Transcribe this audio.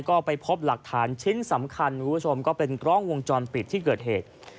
ก็ไปพบหลักฐานชิ้นสำคัญคุณผู้ชมก็เป็นกล้องวงจรปิดที่เกิดเหตุ